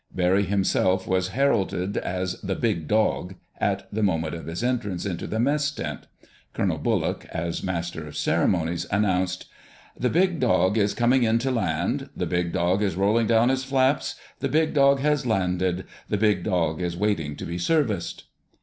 Barry himself was heralded as the "Big Dog" at the moment of his entrance into the mess tent. Colonel Bullock, as master of ceremonies, announced: "The Big Dog is coming in to land.... The Big Dog is rolling down his flaps.... The Big Dog has landed.... The Big Dog is waiting to be serviced!"